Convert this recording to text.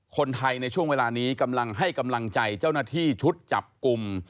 คนไทยในช่วงเวลานี้กำลังให้กำลังใจเจ้าหน้าที่ชุดจับกลุ่ม